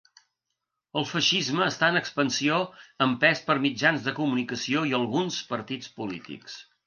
El feixisme està en expansió empès per mitjans de comunicació i alguns partits polítics.